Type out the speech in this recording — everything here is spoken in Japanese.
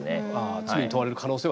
罪に問われる可能性は。